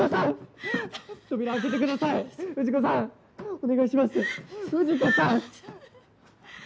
お願いします